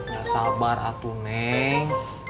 ya sabar atu neng